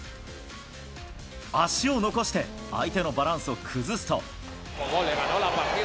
足を残して、相手のバランスを崩すと。